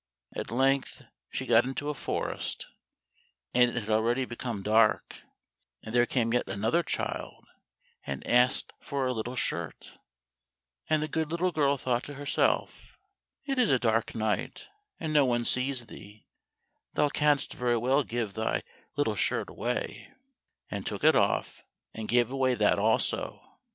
At length she got into a forest and it had already become dark, and there came yet another child, and asked for a little shirt, and the good little girl thought to herself, "It is a dark night and no one sees thee, thou canst very well give thy little shirt away," and took it off, and gave away that also.